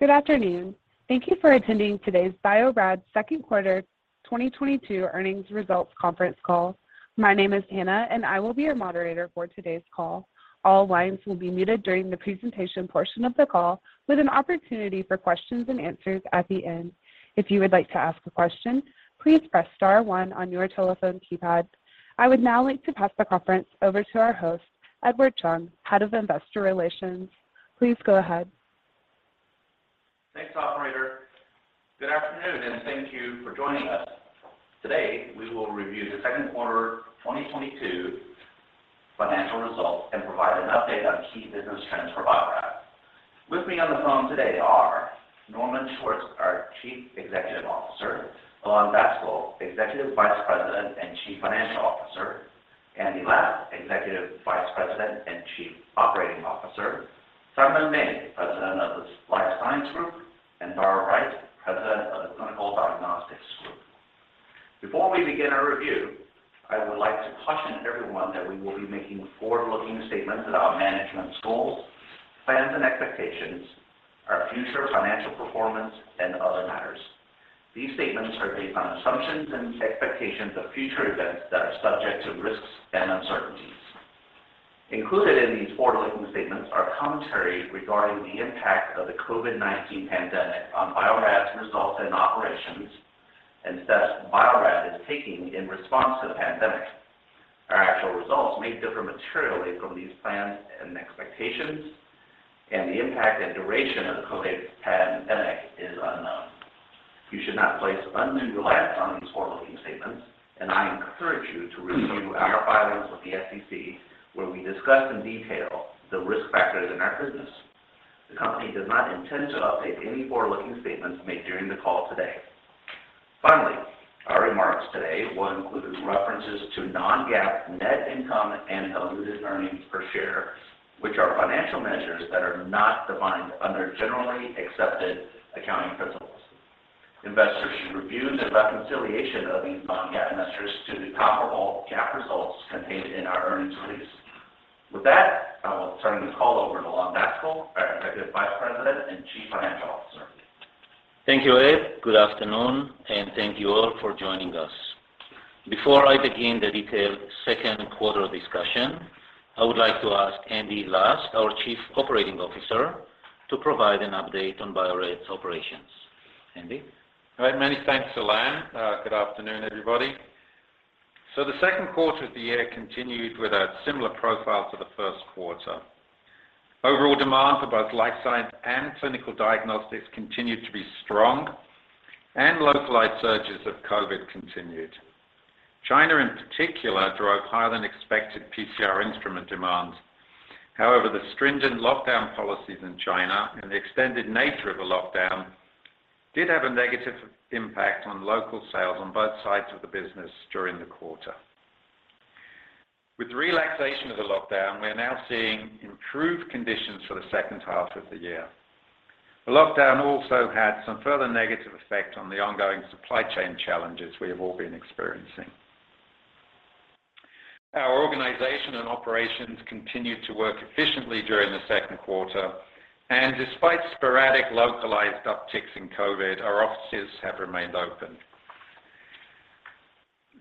Good afternoon. Thank you for attending today's Bio-Rad Second Quarter 2022 Earnings Results Conference Call. My name is Hannah, and I will be your moderator for today's call. All lines will be muted during the presentation portion of the call, with an opportunity for questions and answers at the end. If you would like to ask a question, please press star one on your telephone keypad. I would now like to pass the conference over to our host, Edward Chung, Head of Investor Relations. Please go ahead. Thanks, operator. Good afternoon, and thank you for joining us. Today, we will review the second quarter 2022 financial results and provide an update on key business trends for Bio-Rad. With me on the phone today are Norman Schwartz, our Chief Executive Officer, Ilan Daskal, Executive Vice President and Chief Financial Officer, Andy Last, Executive Vice President and Chief Operating Officer, Simon May, President of the Life Science Group, and Dara Wright, President of the Clinical Diagnostics Group. Before we begin our review, I would like to caution everyone that we will be making forward-looking statements about management's goals, plans and expectations, our future financial performance and other matters. These statements are based on assumptions and expectations of future events that are subject to risks and uncertainties. Included in these forward-looking statements are commentary regarding the impact of the COVID-19 pandemic on Bio-Rad's results and operations and steps Bio-Rad is taking in response to the pandemic. Our actual results may differ materially from these plans and expectations, and the impact and duration of the COVID pandemic is unknown. You should not place undue reliance on these forward-looking statements, and I encourage you to review our filings with the SEC, where we discuss in detail the risk factors in our business. The company does not intend to update any forward-looking statements made during the call today. Finally, our remarks today will include references to non-GAAP net income and diluted earnings per share, which are financial measures that are not defined under Generally Accepted Accounting Principles. Investors should review the reconciliation of these non-GAAP measures to the comparable GAAP results contained in our earnings release. With that, I will turn the call over to Ilan Daskal, our Executive Vice President and Chief Financial Officer. Thank you, Ed. Good afternoon, and thank you all for joining us. Before I begin the detailed second quarter discussion, I would like to ask Andrew Last, our Chief Operating Officer, to provide an update on Bio-Rad's operations. Andy? Many thanks, Ilan. Good afternoon, everybody. The second quarter of the year continued with a similar profile to the first quarter. Overall demand for both Life Science and Clinical Diagnostics continued to be strong, and localized surges of COVID continued. China in particular drove higher-than-expected PCR instrument demands. However, the stringent lockdown policies in China and the extended nature of the lockdown did have a negative impact on local sales on both sides of the business during the quarter. With the relaxation of the lockdown, we're now seeing improved conditions for the second half of the year. The lockdown also had some further negative effect on the ongoing supply chain challenges we have all been experiencing. Our organization and operations continued to work efficiently during the second quarter, and despite sporadic localized upticks in COVID, our offices have remained open.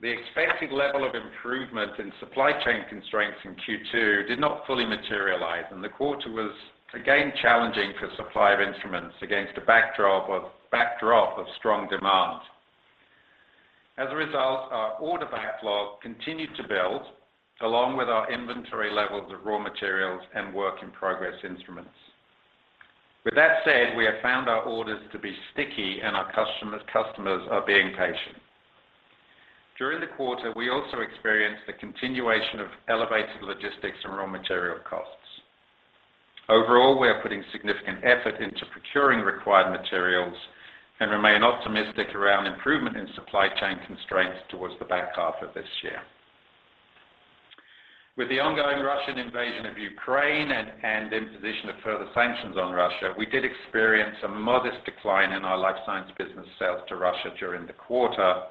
The expected level of improvement in supply chain constraints in Q2 did not fully materialize, and the quarter was again challenging for supply of instruments against a backdrop of strong demand. As a result, our order backlog continued to build, along with our inventory levels of raw materials and work in progress instruments. With that said, we have found our orders to be sticky and our customers are being patient. During the quarter, we also experienced the continuation of elevated logistics and raw material costs. Overall, we are putting significant effort into procuring required materials and remain optimistic around improvement in supply chain constraints towards the back half of this year. With the ongoing Russian invasion of Ukraine and imposition of further sanctions on Russia, we did experience a modest decline in our Life Science business sales to Russia during the quarter,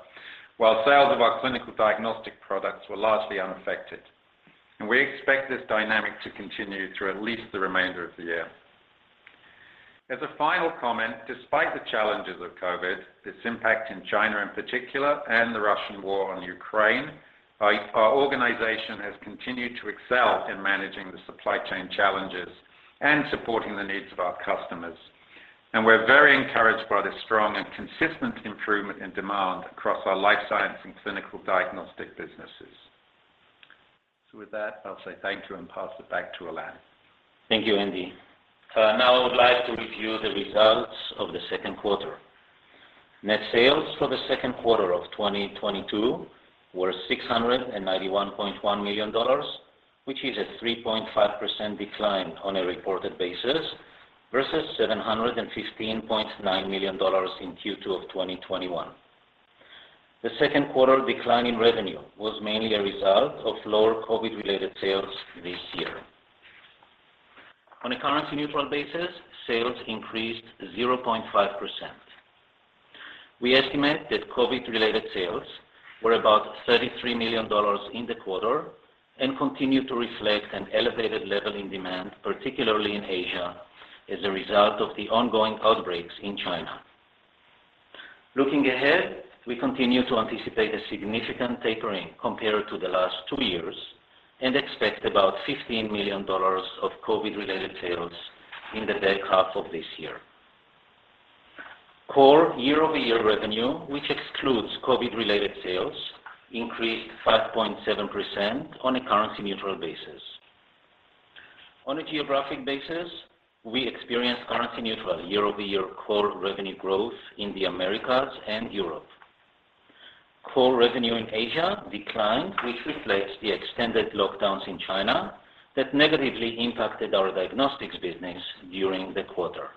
while sales of our Clinical Diagnostic products were largely unaffected. We expect this dynamic to continue through at least the remainder of the year. As a final comment, despite the challenges of COVID, its impact in China in particular, and the Russian war on Ukraine, our organization has continued to excel in managing the supply chain challenges and supporting the needs of our customers. We're very encouraged by the strong and consistent improvement in demand across our Life Science and Clinical Diagnostic businesses. With that, I'll say thank you and pass it back to Ilan. Thank you, Andy. Now I would like to review the results of the second quarter. Net sales for the second quarter of 2022 were $691.1 million, which is a 3.5% decline on a reported basis versus $715.9 million in Q2 of 2021. The second quarter decline in revenue was mainly a result of lower COVID-related sales this year. On a currency neutral basis, sales increased 0.5%. We estimate that COVID-related sales were about $33 million in the quarter and continue to reflect an elevated level in demand, particularly in Asia, as a result of the ongoing outbreaks in China. Looking ahead, we continue to anticipate a significant tapering compared to the last two years and expect about $15 million of COVID-related sales in the back half of this year. Core year-over-year revenue, which excludes COVID-related sales, increased 5.7% on a currency neutral basis. On a geographic basis, we experienced currency neutral year-over-year core revenue growth in the Americas and Europe. Core revenue in Asia declined, which reflects the extended lockdowns in China that negatively impacted our diagnostics business during the quarter.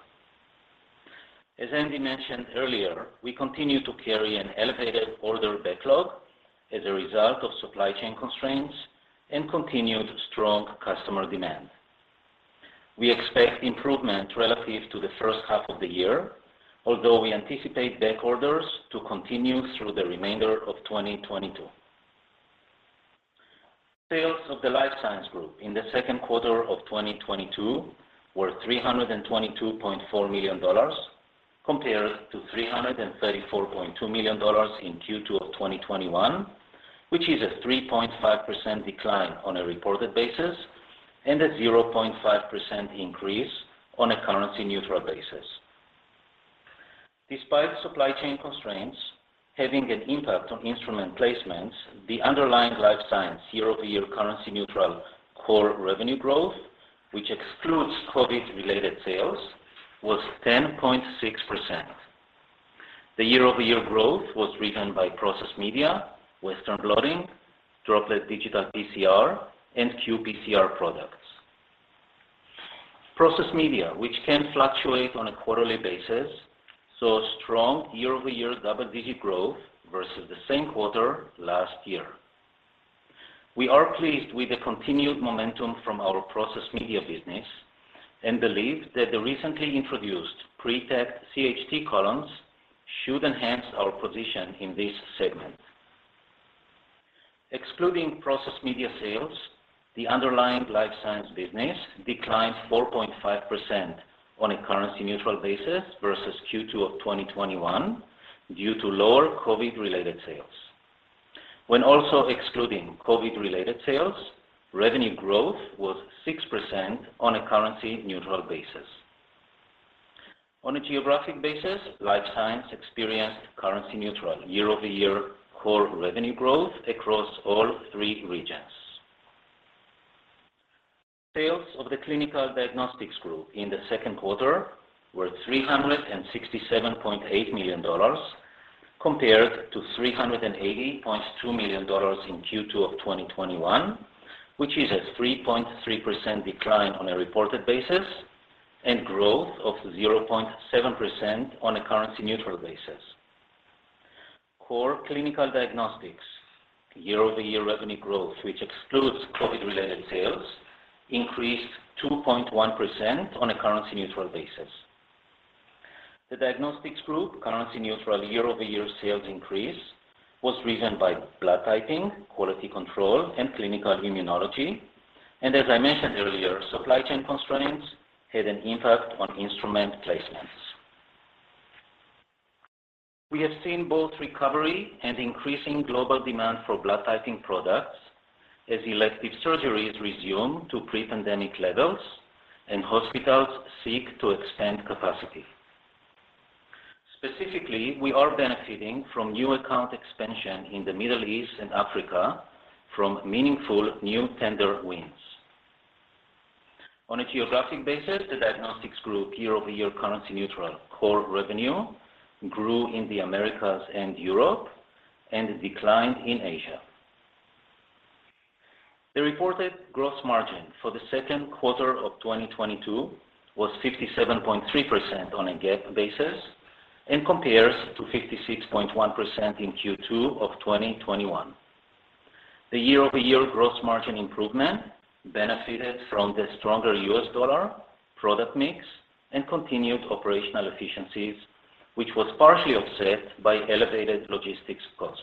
As Andy mentioned earlier, we continue to carry an elevated order backlog as a result of supply chain constraints and continued strong customer demand. We expect improvement relative to the first half of the year, although we anticipate back orders to continue through the remainder of 2022. Sales of the Life Science Group in the second quarter of 2022 were $322.4 million compared to $334.2 million in Q2 of 2021, which is a 3.5% decline on a reported basis and a 0.5% increase on a currency neutral basis. Despite supply chain constraints having an impact on instrument placements, the underlying Life Science year-over-year currency neutral core revenue growth, which excludes COVID-related sales, was 10.6%. The year-over-year growth was driven by process media, Western Blotting, Droplet Digital PCR, and qPCR products. Process media, which can fluctuate on a quarterly basis, saw strong year-over-year double-digit growth versus the same quarter last year. We are pleased with the continued momentum from our process media business and believe that the recently introduced prepacked CHT columns should enhance our position in this segment. Excluding process media sales, the underlying Life Science business declined 4.5% on a currency neutral basis versus Q2 of 2021 due to lower COVID-related sales. When also excluding COVID-related sales, revenue growth was 6% on a currency neutral basis. On a geographic basis, Life Science experienced currency neutral year-over-year core revenue growth across all three regions. Sales of the Clinical Diagnostics Group in the second quarter were $367.8 million compared to $380.2 million in Q2 of 2021, which is a 3.3% decline on a reported basis and growth of 0.7% on a currency neutral basis. Core Clinical Diagnostics year-over-year revenue growth, which excludes COVID-related sales, increased 2.1% on a currency neutral basis. The Diagnostics Group currency neutral year-over-year sales increase was driven by blood typing, quality control, and clinical immunology. As I mentioned earlier, supply chain constraints had an impact on instrument placements. We have seen both recovery and increasing global demand for blood typing products as elective surgeries resume to pre-pandemic levels and hospitals seek to expand capacity. Specifically, we are benefiting from new account expansion in the Middle East and Africa from meaningful new tender wins. On a geographic basis, the Diagnostics Group year-over-year currency neutral core revenue grew in the Americas and Europe and declined in Asia. The reported gross margin for the second quarter of 2022 was 57.3% on a GAAP basis and compares to 56.1% in Q2 of 2021. The year-over-year gross margin improvement benefited from the stronger US dollar, product mix, and continued operational efficiencies, which was partially offset by elevated logistics costs.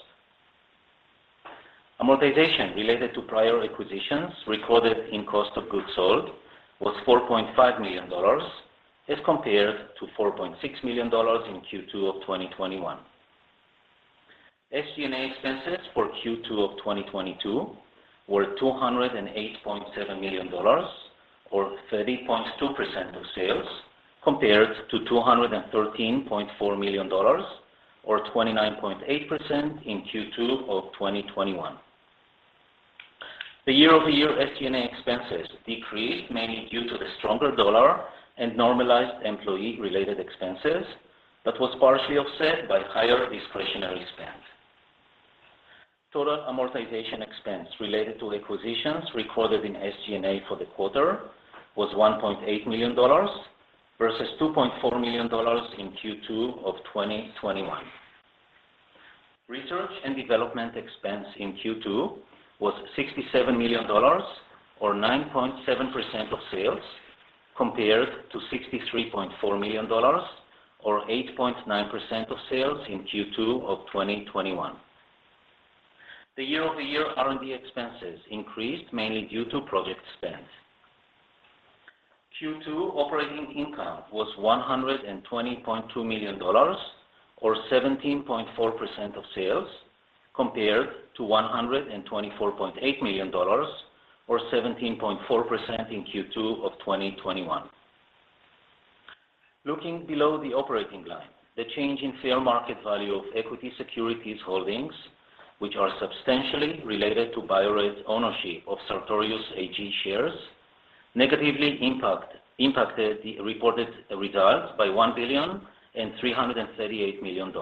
Amortization related to prior acquisitions recorded in cost of goods sold was $4.5 million as compared to $4.6 million in Q2 of 2021. SG&A expenses for Q2 of 2022 were $208.7 million or 30.2% of sales compared to $213.4 million or 29.8% in Q2 of 2021. The year-over-year SG&A expenses decreased mainly due to the stronger dollar and normalized employee-related expenses that was partially offset by higher discretionary spend. Total amortization expense related to acquisitions recorded in SG&A for the quarter was $1.8 million versus $2.4 million in Q2 of 2021. Research and development expense in Q2 was $67 million or 9.7% of sales compared to $63.4 million or 8.9% of sales in Q2 of 2021. The year-over-year R&D expenses increased mainly due to project spend. Q2 operating income was $120.2 million or 17.4% of sales compared to $124.8 million or 17.4% in Q2 of 2021. Looking below the operating line, the change in fair market value of equity securities holdings, which are substantially related to Bio-Rad's ownership of Sartorius AG shares, negatively impacted the reported results by $1.338 billion.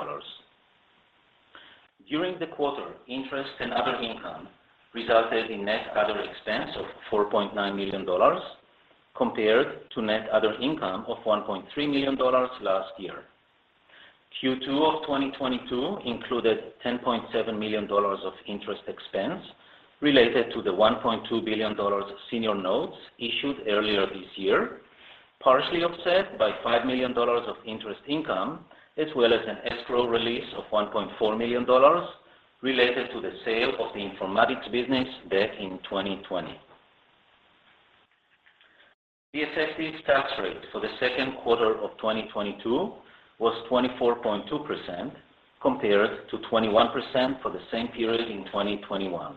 During the quarter, interest and other income resulted in net other expense of $4.9 million compared to net other income of $1.3 million last year. Q2 of 2022 included $10.7 million of interest expense related to the $1.2 billion senior notes issued earlier this year, partially offset by $5 million of interest income, as well as an escrow release of $1.4 million related to the sale of the Informatics business back in 2020. Bio-Rad's tax rate for the second quarter of 2022 was 24.2% compared to 21% for the same period in 2021.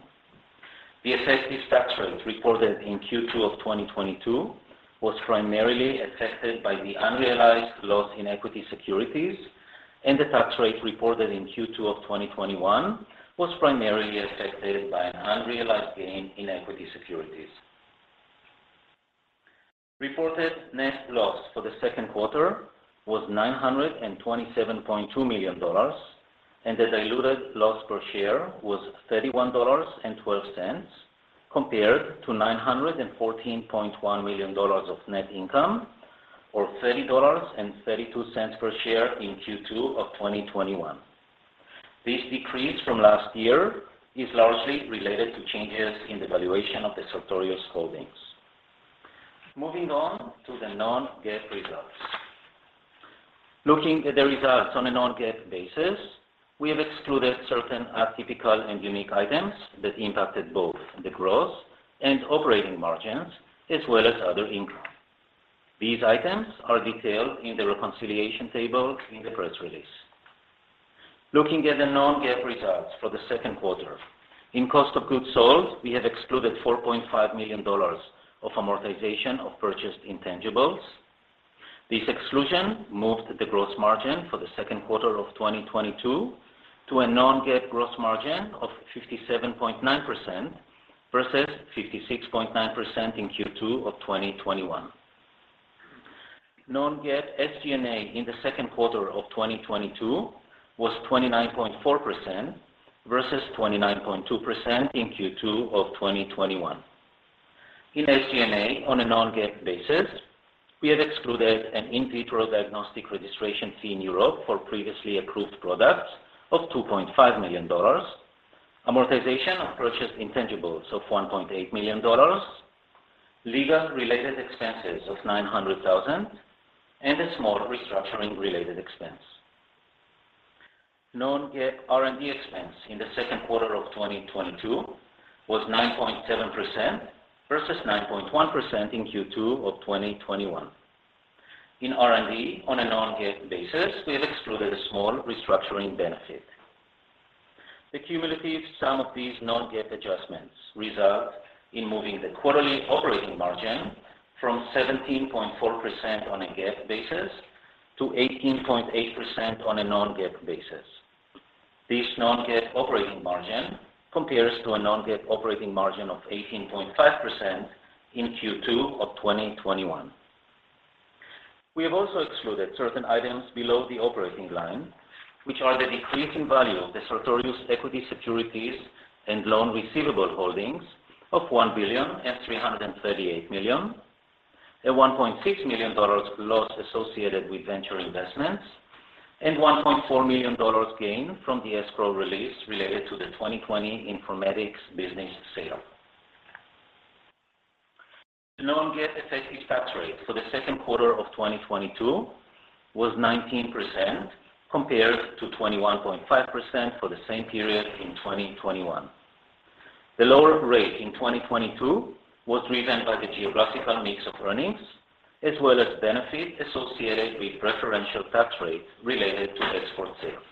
Bio-Rad's tax rate reported in Q2 of 2022 was primarily affected by the unrealized loss in equity securities, and the tax rate reported in Q2 of 2021 was primarily affected by an unrealized gain in equity securities. Reported net loss for the second quarter was $927.2 million, and the diluted loss per share was $31.12, compared to $914.1 million of net income or $30.32 per share in Q2 of 2021. This decrease from last year is largely related to changes in the valuation of the Sartorius holdings. Moving on to the non-GAAP results. Looking at the results on a non-GAAP basis, we have excluded certain atypical and unique items that impacted both the gross and operating margins, as well as other income. These items are detailed in the reconciliation table in the press release. Looking at the non-GAAP results for the second quarter, in cost of goods sold, we have excluded $4.5 million of amortization of purchased intangibles. This exclusion moved the gross margin for the second quarter of 2022 to a non-GAAP gross margin of 57.9% versus 56.9% in Q2 of 2021. Non-GAAP SG&A in the second quarter of 2022 was 29.4% versus 29.2% in Q2 of 2021. In SG&A, on a non-GAAP basis, we have excluded an in vitro diagnostic registration fee in Europe for previously approved products of $2.5 million, amortization of purchased intangibles of $1.8 million, legal-related expenses of $900,000, and a small restructuring-related expense. Non-GAAP R&D expense in the second quarter of 2022 was 9.7% versus 9.1% in Q2 of 2021. In R&D, on a non-GAAP basis, we have excluded a small restructuring benefit. The cumulative sum of these non-GAAP adjustments result in moving the quarterly operating margin from 17.4% on a GAAP basis to 18.8% on a non-GAAP basis. This non-GAAP operating margin compares to a non-GAAP operating margin of 18.5% in Q2 of 2021. We have also excluded certain items below the operating line, which are the decrease in value of the Sartorius equity securities and loan receivable holdings of $1.338 billion, a $1.6 million loss associated with venture investments, and $1.4 million gain from the escrow release related to the 2020 Informatics business sale. The non-GAAP effective tax rate for the second quarter of 2022 was 19% compared to 21.5% for the same period in 2021. The lower rate in 2022 was driven by the geographical mix of earnings as well as benefits associated with preferential tax rates related to export sales.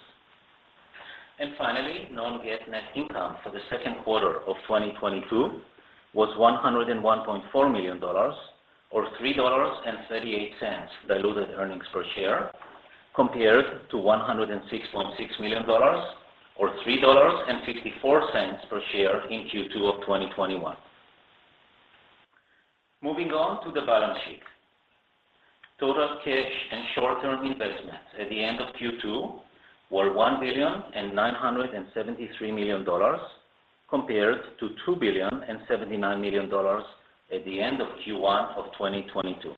Finally, non-GAAP net income for the second quarter of 2022 was $101.4 million or $3.38 diluted earnings per share, compared to $106.6 million or $3.64 per share in Q2 of 2021. Moving on to the balance sheet. Total cash and short-term investments at the end of Q2 were $1.973 billion compared to $2.079 billion at the end of Q1 of 2022.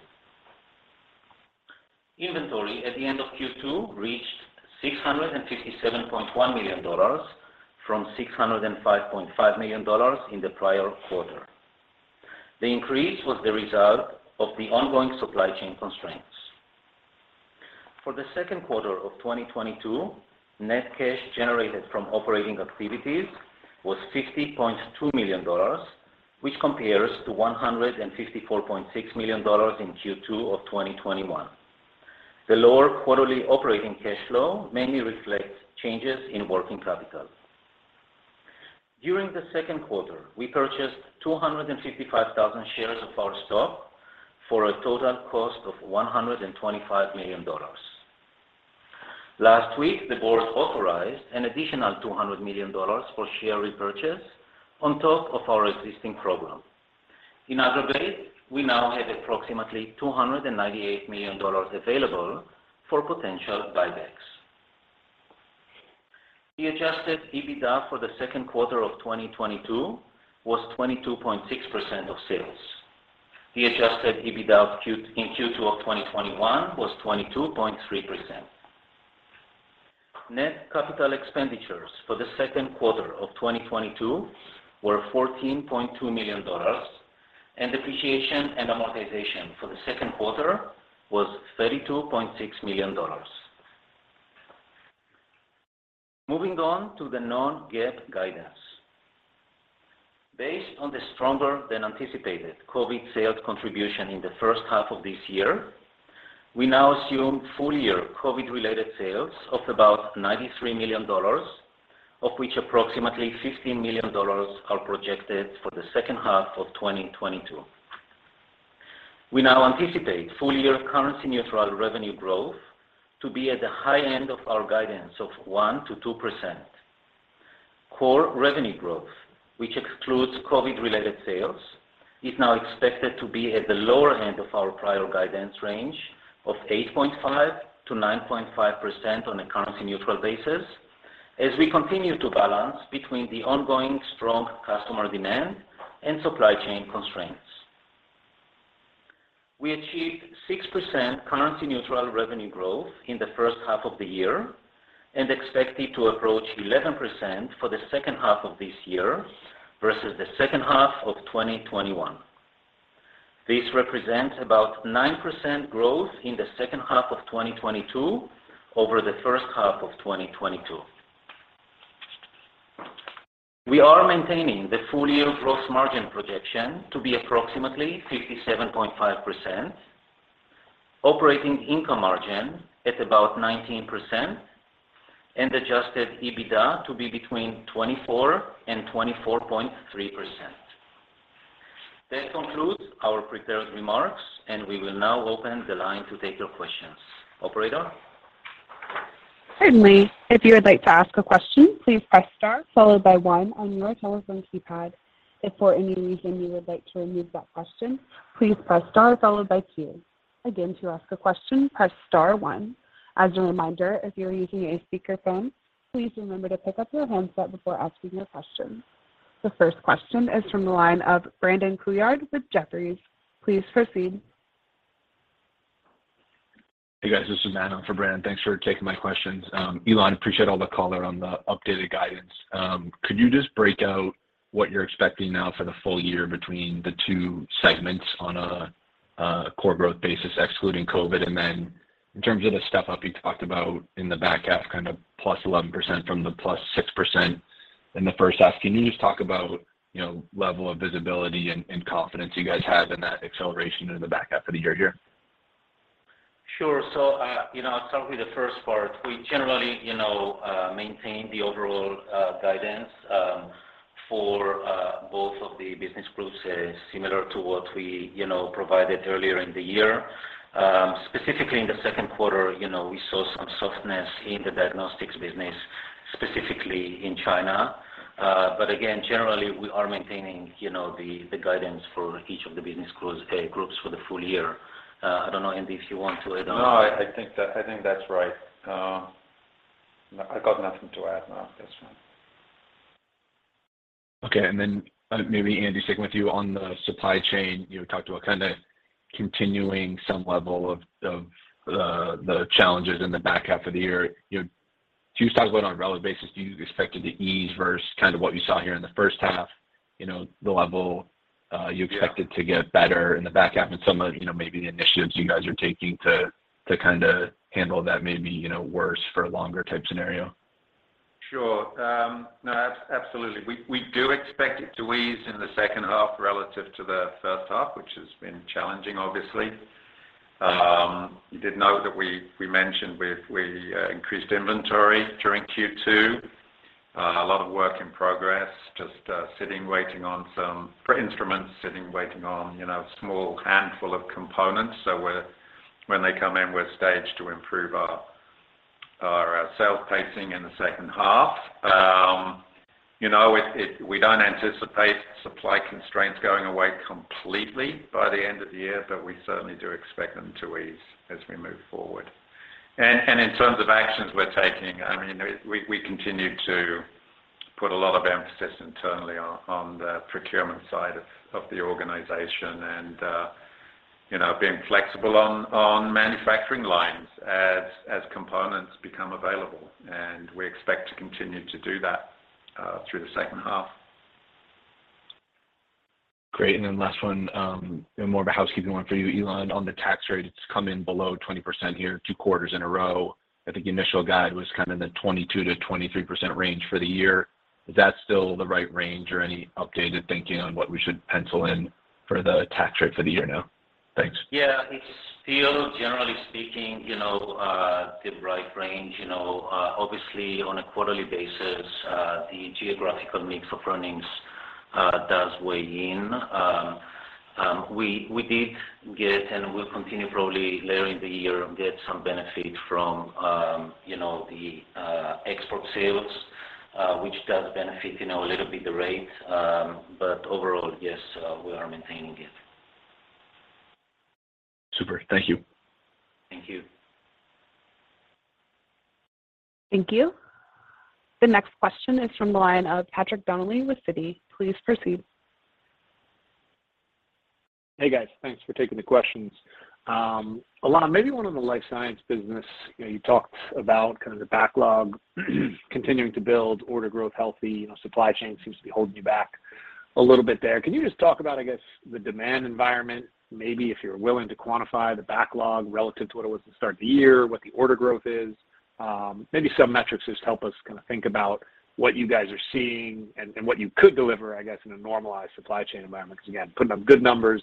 Inventory at the end of Q2 reached $657.1 million from $605.5 million in the prior quarter. The increase was the result of the ongoing supply chain constraints. For the second quarter of 2022, net cash generated from operating activities was $50.2 million, which compares to $154.6 million in Q2 of 2021. The lower quarterly operating cash flow mainly reflects changes in working capital. During the second quarter, we purchased 255,000 shares of our stock for a total cost of $125 million. Last week, the Board authorized an additional $200 million for share repurchase on top of our existing program. In aggregate, we now have approximately $298 million available for potential buybacks. The adjusted EBITDA for the second quarter of 2022 was 22.6% of sales. The adjusted EBITDA in Q2 of 2021 was 22.3%. Net capital expenditures for the second quarter of 2022 were $14.2 million, and depreciation and amortization for the second quarter was $32.6 million. Moving on to the non-GAAP guidance. Based on the stronger than anticipated COVID sales contribution in the first half of this year, we now assume full-year COVID-related sales of about $93 million, of which approximately $15 million are projected for the second half of 2022. We now anticipate full-year currency neutral revenue growth to be at the high end of our guidance of 1%-2%. Core revenue growth, which excludes COVID-related sales, is now expected to be at the lower end of our prior guidance range of 8.5%-9.5% on a currency neutral basis as we continue to balance between the ongoing strong customer demand and supply chain constraints. We achieved 6% currency neutral revenue growth in the first half of the year and expect it to approach 11% for the second half of this year versus the second half of 2021. This represents about 9% growth in the second half of 2022 over the first half of 2022. We are maintaining the full-year gross margin projection to be approximately 57.5%, operating income margin at about 19%, and adjusted EBITDA to be between 24% and 24.3%. That concludes our prepared remarks, and we will now open the line to take your questions. Operator? Certainly. If you would like to ask a question, please press star followed by one on your telephone keypad. If for any reason you would like to remove that question, please press star followed by two. Again, to ask a question, press star one. As a reminder, if you are using a speakerphone, please remember to pick up your handset before asking your question. The first question is from the line of Brandon Couillard with Jefferies. Please proceed. Hey, guys. This is Brandon. Thanks for taking my questions. Ilan, appreciate all the color on the updated guidance. Could you just break out what you're expecting now for the full year between the two segments on a core growth basis excluding COVID? And then in terms of the step-up you talked about in the back half, kind of +11% from the +6% in the first half, can you just talk about, you know, level of visibility and confidence you guys have in that acceleration in the back half of the year here? Sure. You know, I'll start with the first part. We generally you know maintain the overall guidance for both of the business groups as similar to what we you know provided earlier in the year. Specifically in the second quarter, you know, we saw some softness in the Diagnostics business, specifically in China. Again, generally, we are maintaining you know the guidance for each of the business groups for the full year. I don't know, Andy, if you want to add on. No, I think that's right. No, I got nothing to add. No, that's fine. Okay. Maybe Andy sticking with you on the supply chain, you talked about kind of continuing some level of the challenges in the back half of the year. You know, can you talk about on a relative basis, do you expect it to ease versus kind of what you saw here in the first half, you know, the level. Yeah. You expect it to get better in the back half and some of, you know, maybe the initiatives you guys are taking to kind of handle that maybe, you know, worse for longer type scenario? Sure. No, absolutely. We do expect it to ease in the second half relative to the first half, which has been challenging, obviously. You did note that we mentioned we've increased inventory during Q2. A lot of work in progress, just sitting, waiting on some instruments, sitting, waiting on, you know, a small handful of components. So when they come in, we're staged to improve our sales pacing in the second half. You know, we don't anticipate supply constraints going away completely by the end of the year, but we certainly do expect them to ease as we move forward. In terms of actions we're taking, I mean, we continue to put a lot of emphasis internally on the procurement side of the organization and, you know, being flexible on manufacturing lines as components become available. We expect to continue to do that through the second half. Great. Last one, and more of a housekeeping one for you, Ilan. On the tax rate, it's come in below 20% here two quarters in a row. I think the initial guide was kind of in the 22%-23% range for the year. Is that still the right range or any updated thinking on what we should pencil in for the tax rate for the year now? Thanks. Yeah. It's still, generally speaking, you know, the right range. You know, obviously on a quarterly basis, the geographical mix of earnings does weigh in. We did get, and we'll continue probably later in the year, get some benefit from, you know, the export sales, which does benefit, you know, a little bit the rate. But overall, yes, we are maintaining it. Super. Thank you. Thank you. Thank you. The next question is from the line of Patrick Donnelly with Citi. Please proceed. Hey, guys. Thanks for taking the questions. Ilan, maybe one on the Life Science business. You know, you talked about kind of the backlog continuing to build, order growth healthy, you know, supply chain seems to be holding you back a little bit there. Can you just talk about, I guess, the demand environment, maybe if you're willing to quantify the backlog relative to what it was at the start of the year, what the order growth is? Maybe some metrics just help us kind of think about what you guys are seeing and what you could deliver, I guess, in a normalized supply chain environment. Because, again, putting up good numbers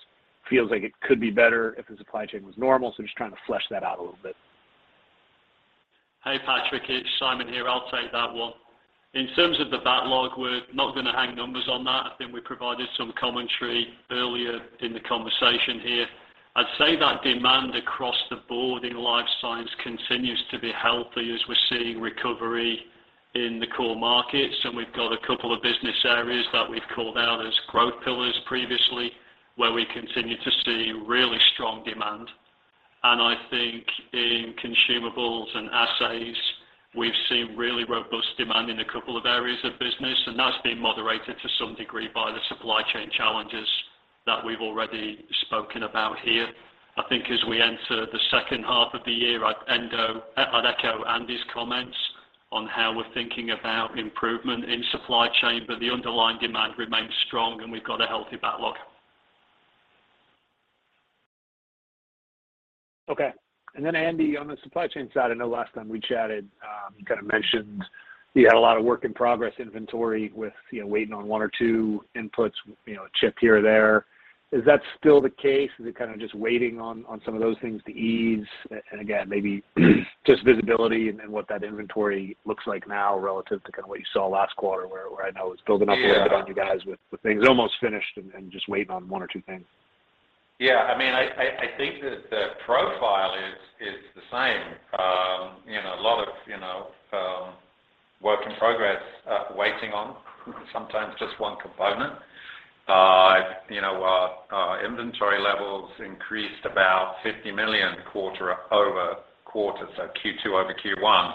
feels like it could be better if the supply chain was normal. I'm just trying to flesh that out a little bit. Hey, Patrick, it's Simon here. I'll take that one. In terms of the backlog, we're not gonna hang numbers on that. I think we provided some commentary earlier in the conversation here. I'd say that demand across the board in Life Science continues to be healthy as we're seeing recovery in the core markets. We've got a couple of business areas that we've called out as growth pillars previously, where we continue to see really strong demand. I think in consumables and assays, we've seen really robust demand in a couple of areas of business, and that's been moderated to some degree by the supply chain challenges that we've already spoken about here. I think as we enter the second half of the year, I'd echo Andy's comments on how we're thinking about improvement in supply chain, but the underlying demand remains strong and we've got a healthy backlog. Okay. Andy, on the supply chain side, I know last time we chatted, you kind of mentioned you had a lot of work in progress inventory with, you know, waiting on one or two inputs, you know, a chip here or there. Is that still the case? Is it kind of just waiting on some of those things to ease? And again, maybe just visibility and what that inventory looks like now relative to kind of what you saw last quarter, where I know it was building up. Yeah. A little bit on you guys with the things almost finished and just waiting on one or two things. Yeah. I mean, I think that the profile is the same. You know, a lot of work in progress waiting on sometimes just one component. You know, our inventory levels increased about $50 million quarter-over-quarter, so Q2 over Q1,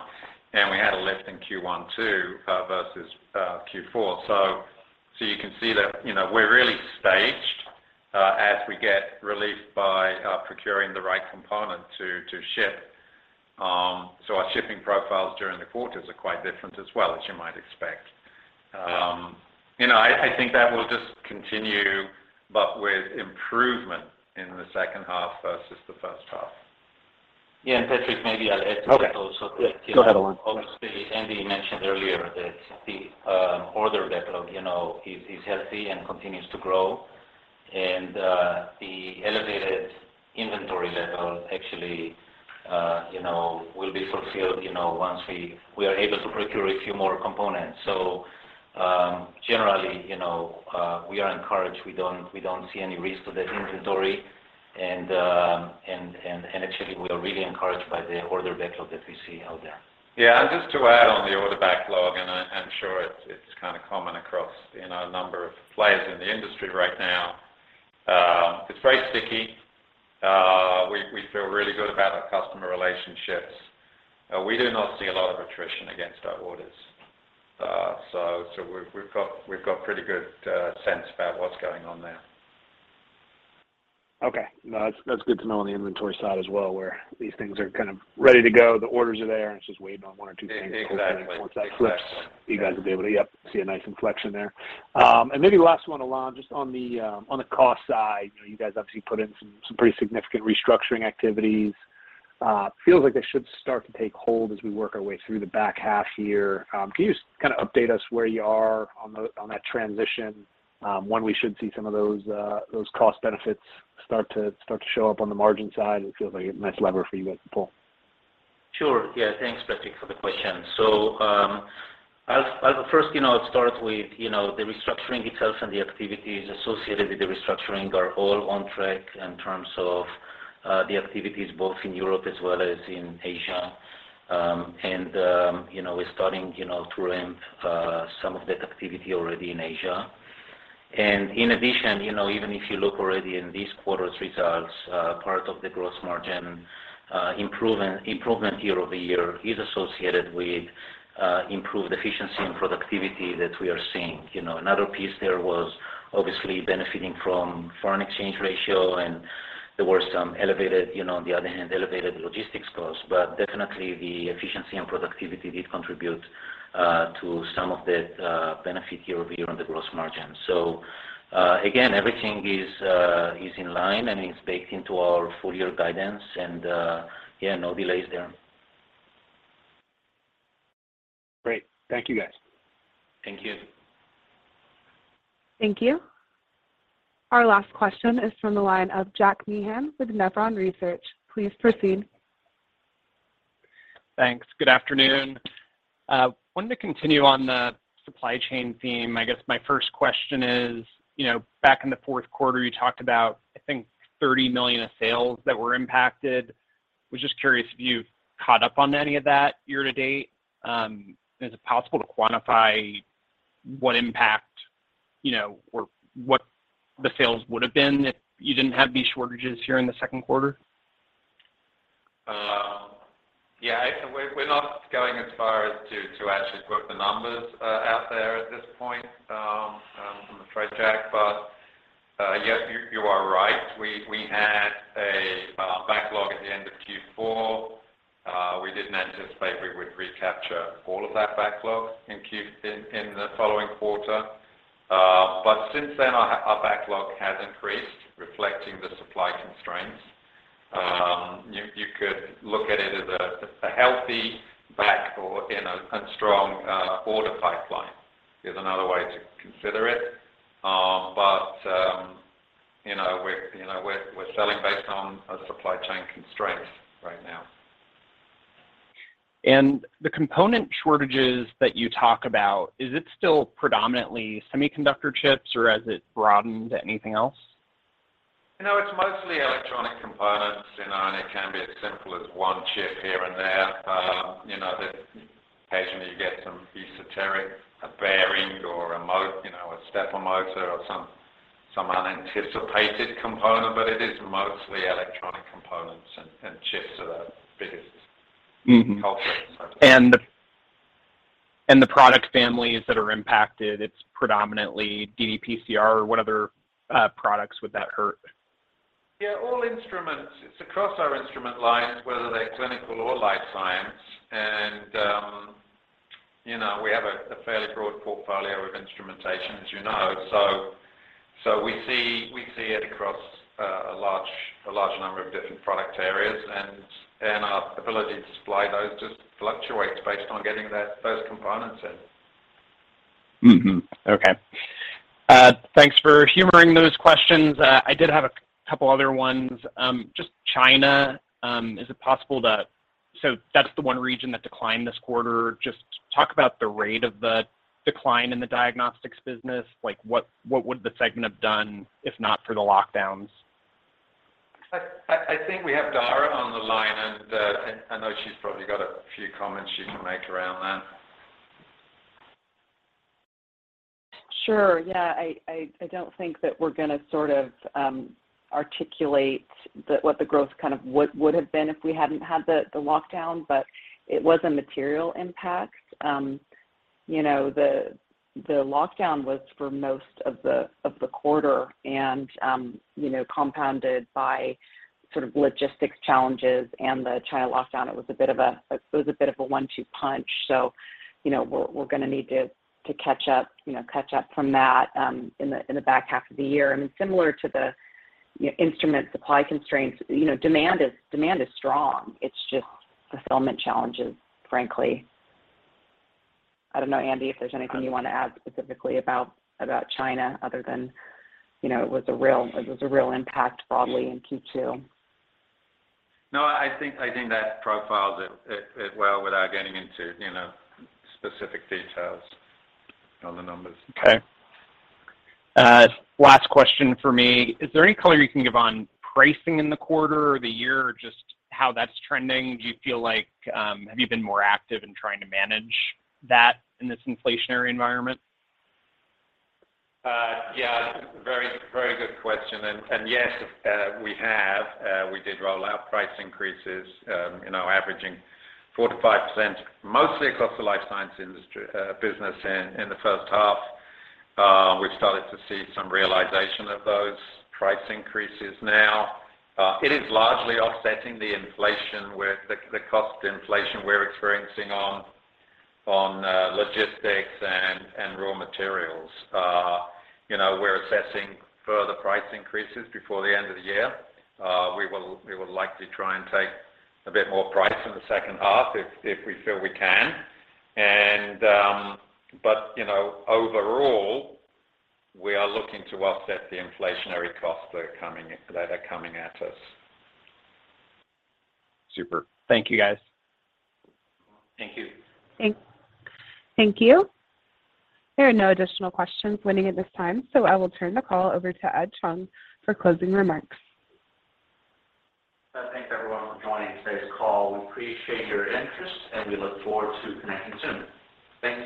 and we had a lift in Q1 too, versus Q4. You can see that, you know, we're really staged as we get relief by procuring the right component to ship. Our shipping profiles during the quarters are quite different as well, as you might expect. You know, I think that will just continue, but with improvement in the second half versus the first half. Yeah. Patrick, maybe I'll add to that also. Okay. Yeah. Go ahead, Ilan. Obviously, Andy mentioned earlier that the order backlog, you know, is healthy and continues to grow. The elevated inventory level actually, you know, will be fulfilled, you know, once we are able to procure a few more components. Generally, you know, we are encouraged. We don't see any risk to that inventory. Actually we are really encouraged by the order backlog that we see out there. Yeah. Just to add on the order backlog, I’m sure it’s kind of common across, you know, a number of players in the industry right now. It’s very sticky. We feel really good about our customer relationships. We do not see a lot of attrition against our orders. So we’ve got pretty good sense about what’s going on there. Okay. No, that's good to know on the inventory side as well, where these things are kind of ready to go. The orders are there, and it's just waiting on one or two things. Exactly. Once that flips, you guys will be able to, yep, see a nice inflection there. Maybe last one, Ilan, just on the cost side. You know, you guys obviously put in some pretty significant restructuring activities. Feels like they should start to take hold as we work our way through the back half here. Can you just kind of update us where you are on that transition? When we should see some of those cost benefits start to show up on the margin side? It feels like a nice lever for you guys to pull. Sure. Yeah. Thanks, Patrick, for the question. I'll first, you know, start with, you know, the restructuring itself and the activities associated with the restructuring are all on track in terms of the activities both in Europe as well as in Asia. You know, we're starting, you know, to ramp some of that activity already in Asia. In addition, you know, even if you look already in this quarter's results, part of the gross margin improvement year-over-year is associated with improved efficiency and productivity that we are seeing. You know, another piece there was obviously benefiting from foreign exchange rate, and there were some elevated, you know, on the other hand, elevated logistics costs. But definitely the efficiency and productivity did contribute to some of the benefit year-over-year on the gross margin. Again, everything is in line and is baked into our full year guidance and, yeah, no delays there. Great. Thank you, guys. Thank you. Thank you. Our last question is from the line of Jack Meehan with Nephron Research. Please proceed. Thanks. Good afternoon. Wanted to continue on the supply chain theme. I guess my first question is, you know, back in the fourth quarter, you talked about, I think, $30 million of sales that were impacted. Was just curious if you've caught up on any of that year-to-date. Is it possible to quantify what impact, you know, or what the sales would have been if you didn't have these shortages here in the second quarter? Yeah. We're not going as far as to actually put the numbers out there at this point from a trade check. Yeah, you are right. We had a backlog at the end of Q4. We didn't anticipate we would recapture all of that backlog in the following quarter. Since then our backlog has increased, reflecting the supply constraints. You could look at it as a healthy backlog or, you know, a strong order pipeline is another way to consider it. You know, we're selling based on a supply chain constraint right now. The component shortages that you talk about, is it still predominantly semiconductor chips or has it broadened to anything else? You know, it's mostly electronic components, you know, and it can be as simple as one chip here and there. You know, occasionally you get some esoteric, a bearing or you know, a stepper motor or some unanticipated component, but it is mostly electronic components and chips are the biggest culprit so to say. The product families that are impacted, it's predominantly ddPCR or what other products would that hurt? Yeah, all instruments. It's across our instrument lines, whether they're Clinical or Life Science. You know, we have a fairly broad portfolio of instrumentation, as you know. We see it across a large number of different product areas. Our ability to supply those just fluctuates based on getting those components in. Okay. Thanks for humoring those questions. I did have a couple other ones. Just China, that's the one region that declined this quarter. Just talk about the rate of the decline in the diagnostics business. Like what would the segment have done if not for the lockdowns? I think we have Dara on the line, and I know she's probably got a few comments she can make around that. Sure. Yeah. I don't think that we're gonna sort of articulate what the growth kind of would have been if we hadn't had the lockdown, but it was a material impact. You know, the lockdown was for most of the quarter and, you know, compounded by sort of logistics challenges and the China lockdown. It was a bit of a one-two punch. You know, we're gonna need to catch up, you know, catch up from that in the back half of the year. I mean, similar to the, you know, instrument supply constraints, you know, demand is strong. It's just fulfillment challenges, frankly. I don't know, Andy, if there's anything you wanna add specifically about China other than, you know, it was a real impact broadly in Q2. No, I think that profiles it well without getting into, you know, specific details on the numbers. Okay. Last question for me. Is there any color you can give on pricing in the quarter or the year or just how that's trending? Do you feel like, have you been more active in trying to manage that in this inflationary environment? Yeah. Very good question. Yes, we did roll out price increases, you know, averaging 4%-5%, mostly across the Life Science business in the first half. We've started to see some realization of those price increases now. It is largely offsetting the inflation with the cost inflation we're experiencing on logistics and raw materials. You know, we're assessing further price increases before the end of the year. We will likely try and take a bit more price in the second half if we feel we can. But, you know, overall, we are looking to offset the inflationary costs that are coming at us. Super. Thank you, guys. Thank you. Thank you. There are no additional questions waiting at this time, so I will turn the call over to Ed Chung for closing remarks. I thank everyone for joining today's call. We appreciate your interest, and we look forward to connecting soon. Thanks.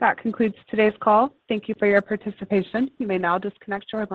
That concludes today's call. Thank you for your participation. You may now disconnect your line.